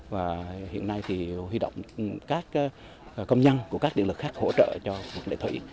và hiện nay thì huy động các công nhân của các điện lực khác hỗ trợ cho lệ thủy